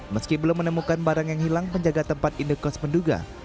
meski belum menemukan barang yang hilang penjaga tempat indekos menduga